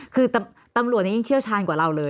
คือตำรวจนี้ยังเชี่ยวชาญกว่าเราเลย